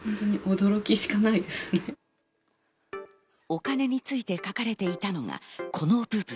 お金について書かれていたのはこの部分。